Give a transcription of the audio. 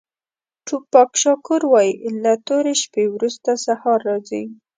ټوپاک شاکور وایي له تورې شپې وروسته سهار راځي.